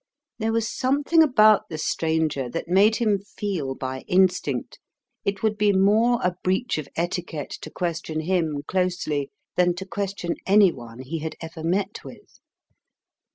There was something about the stranger that made him feel by instinct it would be more a breach of etiquette to question him closely than to question any one he had ever met with.